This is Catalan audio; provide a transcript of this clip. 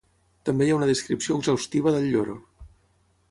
També hi ha una descripció exhaustiva del lloro.